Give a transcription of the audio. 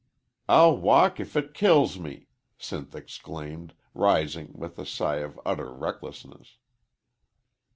"I'll walk if it kills me!" Sinth exclaimed, rising with a sigh of utter recklessness.